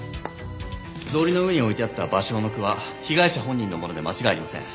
草履の上に置いてあった芭蕉の句は被害者本人のもので間違いありません。